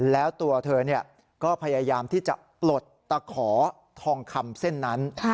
แล้วตัวเธอก็พยายามที่จะปลดตะขอทองคำเส้นนั้น